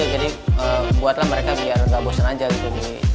jadi buatlah mereka biar gak bosan aja gitu